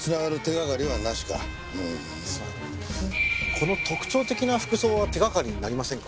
この特徴的な服装は手掛かりになりませんか？